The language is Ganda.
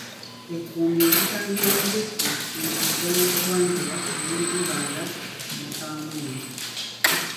Ekkuumiro lisangibwa mu disitulikiti z'omubugwanjuba omuli Ibanda ne Kamwenge